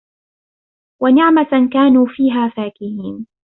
ونعمة كانوا فيها فاكهين